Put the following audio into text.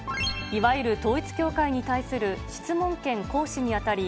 いわゆる統一教会に対する質問権行使にあたり